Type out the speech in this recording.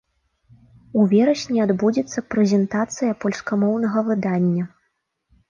У верасні адбудзецца прэзентацыя польскамоўнага выдання.